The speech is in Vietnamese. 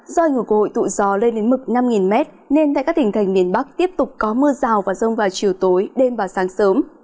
doi ngủ cội tụ gió lên đến mực năm m nên tại các tỉnh thành miền bắc tiếp tục có mưa rào và rông vào chiều tối đêm và sáng sớm